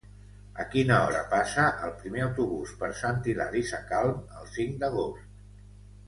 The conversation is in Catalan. A quina hora passa el primer autobús per Sant Hilari Sacalm el cinc d'agost?